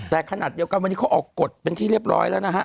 แต่ขนาดเดียวกันวันนี้เขาออกกฎเป็นที่เรียบร้อยแล้วนะฮะ